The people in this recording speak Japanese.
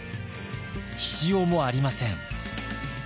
醤もありません。